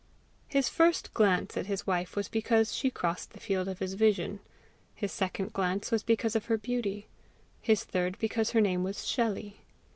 His first glance at his wife was because she crossed the field of his vision; his second glance was because of her beauty; his third because her name was SHELLEY.